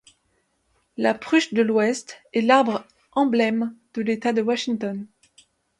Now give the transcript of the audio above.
La pruche de l'ouest est l'arbre emblème de l'État de Washington.